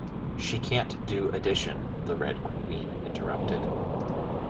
‘She can’t do addition,’ the Red Queen interrupted.